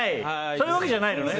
そういうわけじゃないのね。